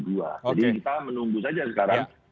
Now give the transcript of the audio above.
jadi kita menunggu saja sekarang